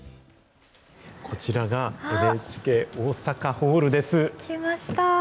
こちらが、ＮＨＫ大阪ホールです。